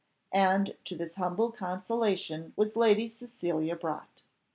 And to this humble consolation was Lady Cecilia brought.